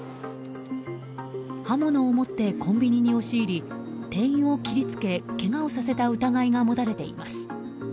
刃物を持ってコンビニに押し入り店員を切り付けけがをさせた疑いが持たれています。